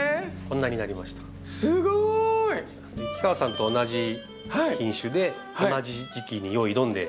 氷川さんと同じ品種で同じ時期によいどんで。